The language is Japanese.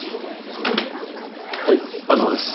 はい東です。